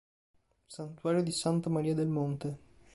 Santuario di Santa Maria del Monte